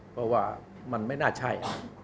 เพราะว่ามันไม่น่าใช่